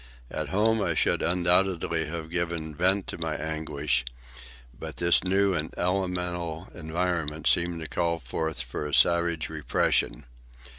At home I should undoubtedly have given vent to my anguish; but this new and elemental environment seemed to call for a savage repression.